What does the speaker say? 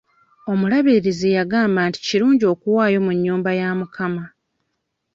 Omulabirizi yagamba nti kirungi okuwaayo mu nnyumba ya mukama.